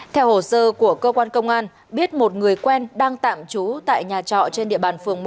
theo hồ sơ của cơ quan công an biết một người quen đang tạm trú tại nhà trọ trên địa bàn phường một